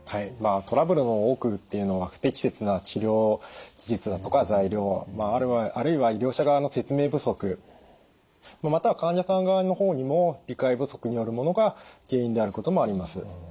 トラブルの多くっていうのは不適切な治療手術だとか材料あるいは医療者側の説明不足または患者さん側の方にも理解不足によるものが原因であることもあります。